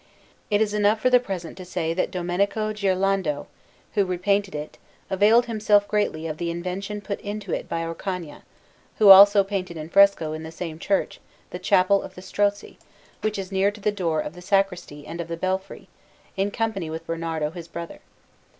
It is enough for the present to say that Domenico Ghirlandajo, who repainted it, availed himself greatly of the invention put into it by Orcagna, who also painted in fresco in the same church the Chapel of the Strozzi, which is near to the door of the sacristy and of the belfry, in company with Bernardo, his brother.